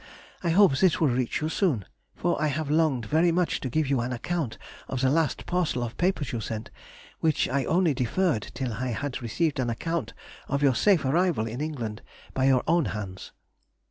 I hope this will reach you soon, for I have longed very much to give you an account of the last parcel of papers you sent, which I only deferred till I had received an account of your safe arrival in England by your own hands.